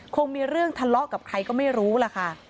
คงมีเรื่องทะเลาะกับใครก็ไม่รู้ล่ะค่ะ